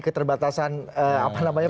keterbatasan apa namanya